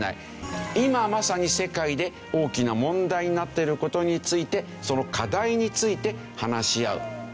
今まさに世界で大きな問題になってる事についてその課題について話し合うわけですね。